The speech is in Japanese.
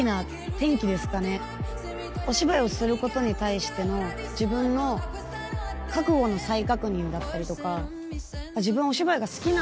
お芝居をすることに対しての自分の覚悟の再確認だったりとか。